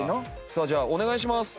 さあじゃあお願いします。